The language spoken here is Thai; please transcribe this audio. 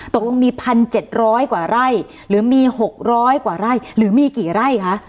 ตกลงมีพันเจ็ดร้อยกว่าไร่หรือมีหกร้อยกว่าไร่หรือมีกี่ไร่คะ